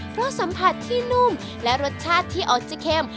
เพราะสัมผัสที่นุ่มและรสชาติที่ออกซิเค็ม